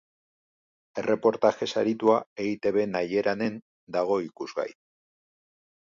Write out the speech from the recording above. Erreportaje saritua eitb nahieranen dago ikusgai.